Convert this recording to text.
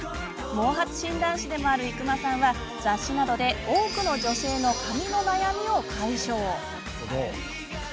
毛髪診断士でもある伊熊さんは雑誌などで、多くの女性の髪の悩みを解消。